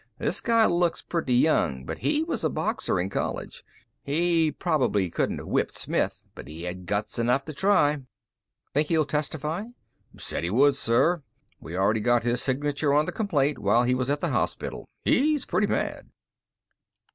This guy looks pretty young, but he was a boxer in college. He probably couldn't've whipped Smith, but he had guts enough to try." "Think he'll testify?" "Said he would, sir. We already got his signature on the complaint while he was at the hospital. He's pretty mad."